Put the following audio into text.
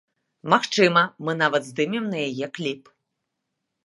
Магчыма, мы нават здымем на яе кліп.